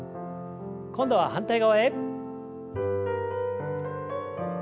今度は反対側へ。